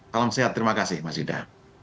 salam sehat terima kasih mas yuda